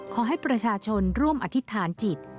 ขอให้ประชาชนร่วมอธิษฐานจิต